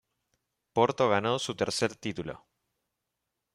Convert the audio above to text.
Porto ganó su tercer título.